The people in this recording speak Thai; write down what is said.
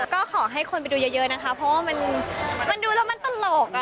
ก็ขอให้คนไปดูเยอะนะคะเพราะว่ามันดูแล้วมันตลก